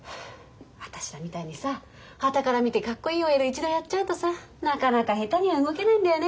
私らみたいにさはたから見て格好いいＯＬ一度やっちゃうとさなかなか下手には動けないんだよね。